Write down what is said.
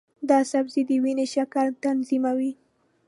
دا سبزی د وینې شکر تنظیموي.